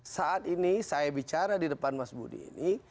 saat ini saya bicara di depan mas budi ini